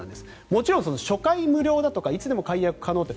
もちろん初回無料だとかいつでも解約可能って